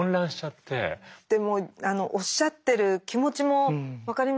でもおっしゃってる気持ちも分かりますよね。